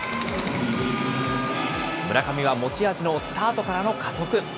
村上は持ち味のスタートからの加速。